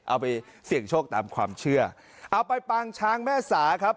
เอาไปเสี่ยงโชคตามความเชื่อเอาไปปางช้างแม่สาครับ